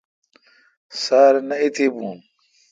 سار نہ اتییون۔